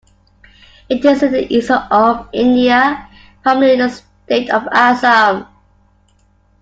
It is in the East of India, primarily in the state of Assam.